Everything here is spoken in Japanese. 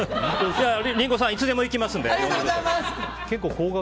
リンゴさんいつでも行きますので。